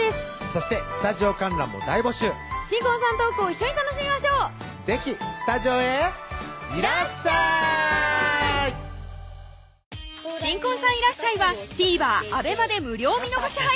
そしてスタジオ観覧も大募集新婚さんのトークを一緒に楽しみましょう是非スタジオへいらっしゃい新婚さんいらっしゃい！はＴＶｅｒ